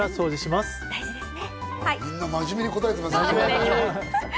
みんな真面目に答えてますね。